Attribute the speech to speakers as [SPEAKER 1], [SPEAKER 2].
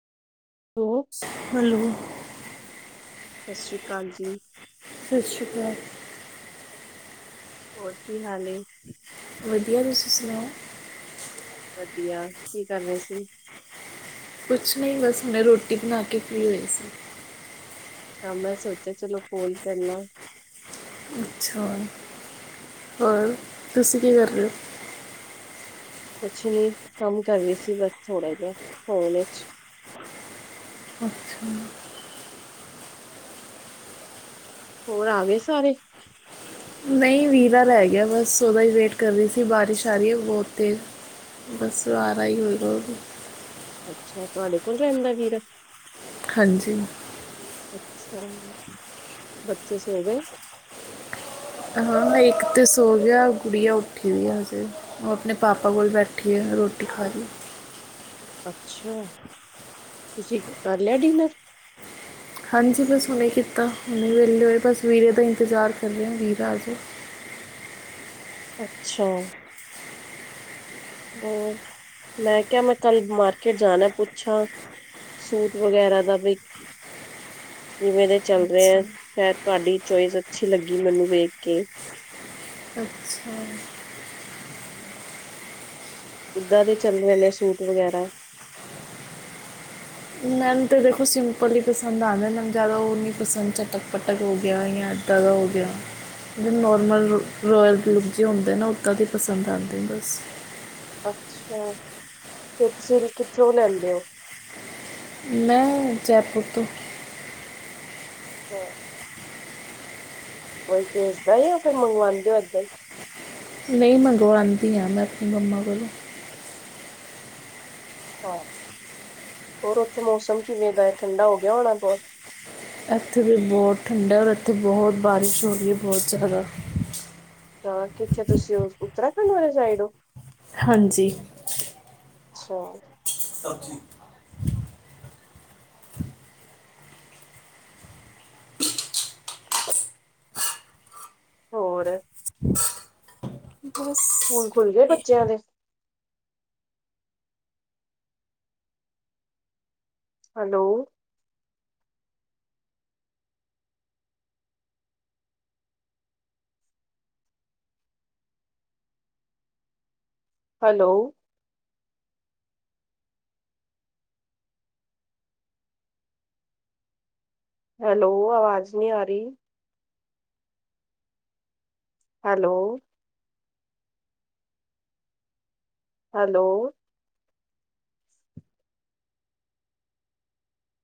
[SPEAKER 1] [unintelligible]
[SPEAKER 2] Hello.
[SPEAKER 1] ਸਤਿ ਸ਼੍ਰੀ ਅਕਾਲ ਜੀ।
[SPEAKER 2] ਸਤਿ ਸ਼੍ਰੀ ਅਕਾਲ।
[SPEAKER 1] ਹੋਰ ਕੀ ਹਾਲ ਐ?
[SPEAKER 2] ਵਧੀਆ, ਤੁਸੀਂ ਸੁਣਾਓ?
[SPEAKER 1] ਵਧੀਆ, ਕੀ ਕਰ ਰਹੇ ਸੀ?
[SPEAKER 2] ਕੁਛ ਨਹੀਂ ਬਸ ਮੁੈਂ ਰੋਟੀ ਬਣਾ ਕੇ ਫਰੀ ਹੋਈ ਸੀ।
[SPEAKER 1] ਹਾਂ ਮੈਂ ਸੋਚਿਆ ਚਲੋ ਫੋਨ ਕਰਨਾ।
[SPEAKER 2] ਅੱਛਾ, ਹੋਰ ਤੁਸੀਂ ਕੀ ਕਰ ਰਹੇ ਹੋ?
[SPEAKER 1] ਕੁਛ ਨੀ ਕੰਮ ਕਰ ਰਹੀ ਸੀਗਾ ਥੋੜਾ ਜਿਹਾ ਕੋਲੇਜ।
[SPEAKER 2] ਅੱਛਾ।
[SPEAKER 1] ਹੋਰ ਆ ਗਏ ਸਾਰੇ।
[SPEAKER 2] ਨਹੀਂ ਵੀਰਾ ਰਹਿ ਗਿਆ, ਬਸ ਉਹਦਾ ਹੀ ਵੇਟ ਕਰ ਰਹੀ ਸੀ ਬਾਰਿਸ਼ ਆ ਰਹੀ ਹੈ ਬਹੁਤ ਤੇਜ਼। ਬਸ ੳ ਆ ਰਿਹਾ ਹੋਏਗਾ।
[SPEAKER 1] ਅੱਛਾ ਤੁਹਾਡੇ ਕੋਲ ਰਹਿੰਦਾ ਵੀਰਾ?
[SPEAKER 2] ਹਾਂਜੀ।
[SPEAKER 1] ਅੱਛਾ ਬੱਚੇ ਸੋ ਗਏ?
[SPEAKER 2] ਹਾਂ ਇੱਕ ਤੇ ਸੋ ਗਿਆ, ਗੁੜੀਆਂ ਉੱਠੀ ਦੀ ਹਜੇ। ਉਹ, ਆਪਣੇ ਪਾਪਾ ਕੋਲ ਬੈਠੀ ਹੈ, ਰੋਟੀ ਖਾ ਰਹੀ ਹੈ।
[SPEAKER 1] ਅੱਛਾ, ਤੁਸੀਂ ਕਰ ਲਿਆ ਡਿਨਰ?
[SPEAKER 2] ਹਾਂਜੀ, ਬਸ ਹੁਣੇ ਕੀਤਾ, ਹੁਣੇ ਵਿਹਲੇ ਹੋਏ, ਬਸ ਵੀਰੇ ਦਾ ਇੰਤਜ਼ਾਰ ਕਰ ਰਹੇ ਹਾਂ, ਵੀਰਾ ਆ ਜਾਏ।
[SPEAKER 1] ਅੱਛਾ। ਹੋਰ, ਮੈਂ ਕਿਹਾ, ਮੈਂ ਕੱਲ ਮਾਰਕੀਟ ਜਾਣਾ ਪੁੱਛਾਂ? ਸੂਟ, ਵਗੈਰਾ ਦਾ ਵੀ। ਕਿਵੇਂ, ਦੇ ਚੱਲ ਰਹੇ
[SPEAKER 2] ਅੱਛਾ
[SPEAKER 1] ਆ? ਸ਼ਾਇਦ ਤੁਹਾਡੀ ਚੋਇਸ ਅੱਛੀ ਲੱਗੀ, ਮੈਨੂੰ ਵੇਖ ਕੇ।
[SPEAKER 2] ਅੱਛਾ।
[SPEAKER 1] ਕਿੱਦਾਂ ਦੇ ਚੱਲ ਰਹੇ ਨੇ, ਸੂਟ ਵਗੈਰਾ?
[SPEAKER 2] ਮੈਂਨੂੰ ਤੇ, ਦੇਖੋ ਸਿੰਪਲ ਹੀ ਪਸੰਦ ਆਉੰਦੇ, ਮੈਨੂੰ ਜ਼ਿਆਦਾ ਉਹ ਨਹੀਂ ਪਸੰਦ, ਚੱਟਕ- ਪੱਟਕ ਹੋ ਗਿਆ ਜਾਂ ਜਿਆਦਾ ਹੋ ਗਿਆ। ਜੋ ਨਾਰਮਲ ਰੋਇਲ ਲੁਕ ਜੇ ਹੁੰਦੇ ਨਾ, ਉੱਦਾਂ ਦੇ ਪਸੰਦ ਆਉਂਦੇ ਬਸ।
[SPEAKER 1] ਅੱਛਾ, ਫਿਰ ਤੁਸੀਂ ਕਿੱਥੋਂ ਲੈਂਦੇ ਹੋ?
[SPEAKER 2] ਮੈਂ, ਜੈਪੁਰ ਤੋਂ।
[SPEAKER 1] [unintelligible] ਕੋਈ ਭੇਜਦਾ, ਯਾ ਫਿਰ, ਮੰਗਵਾਉਂਦੇ ਹੋ ਏਦਾਂ ਹੀ?
[SPEAKER 2] ਨਹੀਂ ਮੰਗਵਾਦੀ ਹਾਂ, ਮੈਂ ਆਪਣੀ ਮੰਮਾ ਕੋਲੋਂ
[SPEAKER 1] ਹਾਂ, ਹੋਰ ਉੱਥੇ ਮੌਸਮ ਕਿਵੇਂ ਦਾ ਹੈ? ਠੰਡਾ ਹੋ ਗਿਆ ਹੋਣਾ ਬਹੁਤ
[SPEAKER 2] ਇੱਥੇ ਵੀ ਬਹੂਤ ਠੰਡਾ, ਔਰ, ਇੱਥੇ ਬਹੁਤ ਬਾਰਿਸ਼ ਹੋ ਰਹੀ ਹੈ, ਬਹਤ ਜ਼ਿਆਦਾ
[SPEAKER 1] ਤਾਂ ਕਿੱਥਿਆ ਤੁਸੀਂ ਉੱਤਰਾਖੰਡ ਵਾਲੇ ਸਾਈਡ ਹੋ?
[SPEAKER 2] ਹਾਂਜੀ।
[SPEAKER 1] ਅੱਛਾ।
[SPEAKER 2] [unintelligible]
[SPEAKER 1] ਹੋਰ।
[SPEAKER 2] [inaudible] ਬਸ
[SPEAKER 1] ਸਕੂਲ ਖੁੱਲ ਗਏ ਬੱਚਿਆਂ ਦੇ, ਹੈਲੋ। ਹੈਲੋ, ਹੈਲੋ, ਆਵਾਜ਼ ਨਹੀਂ ਆ ਰਹੀ? ਹੈਲੋ। ਹੈਲੋ।